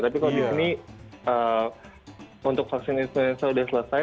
tapi kalau di sini untuk vaksin influenza sudah selesai